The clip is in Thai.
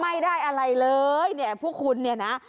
ไม่ได้อะไรเลยเนี่ยพวกคุณเนี่ยนะ